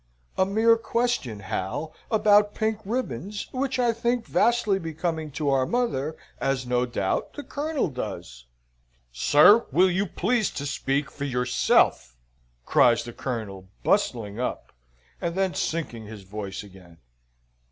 "A mere question, Hal, about pink ribbons, which I think vastly becoming to our mother; as, no doubt, the Colonel does." "Sir, will you please to speak for yourself?" cried the Colonel, bustling up, and then sinking his voice again.